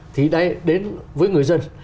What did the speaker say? thì đến với người dân